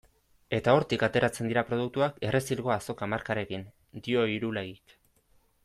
Eta hortik ateratzen dira produktuak Errezilgo Azoka markarekin, dio Irulegik.